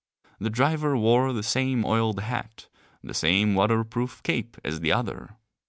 The driver wore the same oiled hat, the same waterproof cape as the other.